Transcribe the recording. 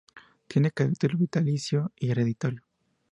Tiene carácter vitalicio y hereditario.